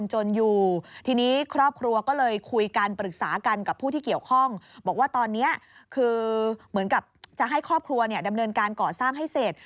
เหมือนกับจะให้ครอบครัวดำเนินการก่อสร้างให้เสร็จ